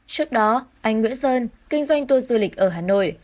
trước đó anh nguyễn sơn kinh doanh tour du lịch ở hà nội